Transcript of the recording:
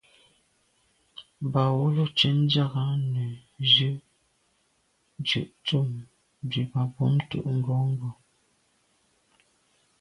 Mbā wʉ́lǒ cwɛ̌d ndíɑ̀g nə̀ ghʉ zə̀ dʉ̀' ntʉ̂m diba mbumtə ngɔ̌ngɔ̀.